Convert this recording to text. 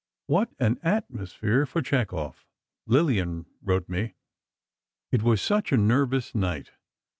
What an atmosphere for Chekhov. Lillian wrote me: It was such a nervous night.